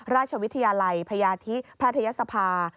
ราชวิทยาลัยพยาธิแพทยศภา